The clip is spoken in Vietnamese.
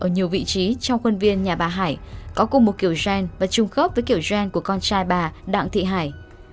ở nhiều vị trí trong khuôn viên nhà bà hải có cùng một kiểu gen và chung khớp với kiểu gen của con trai bà đặng thị hải